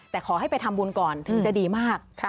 แต่ขอให้ไปทำบุญก่อนถึงจะดีมาก